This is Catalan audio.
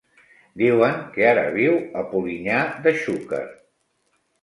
Diuen que ara viu a Polinyà de Xúquer.